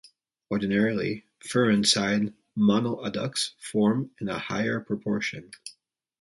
Ordinarily, furan-side monoadducts form in a higher proportion.